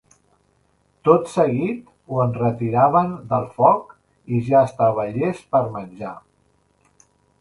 Tot seguit ho enretiraven del foc i ja estava llest per menjar.